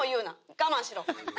我慢しろ。